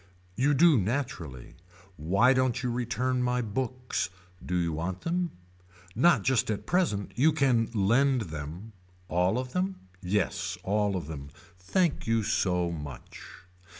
You do naturally. Why don't you return my books. Do you want them. Not just at present. You can lend them. All of them. Yes all of them. Thank you so much.